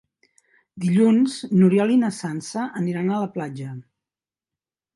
Dilluns n'Oriol i na Sança aniran a la platja.